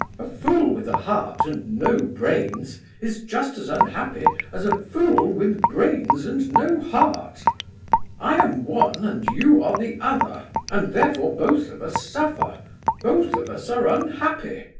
A fool with a heart and no brains is just as unhappy as a fool with brains and no heart. I am one and you are the other, and therefore both of us suffer, both of us are unhappy."